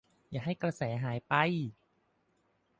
อย่าให้กระแสหายไป !